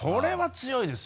強いです。